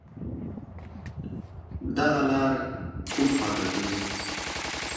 دغه لار کوم خواته تللی